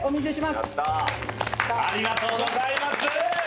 ありがとうございます。